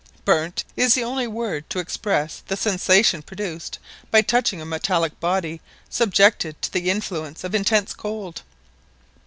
"Burnt" is the only word to express the sensation produced by touching a metallic body subjected to the influence of intense cold.